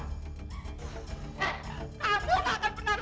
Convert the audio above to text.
mau lari kemana kamu ah